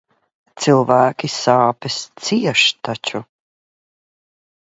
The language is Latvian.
Cilvēki sāpes cieš taču.